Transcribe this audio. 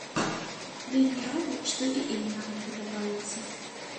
Вельмі рады, што і ім нават падабаецца.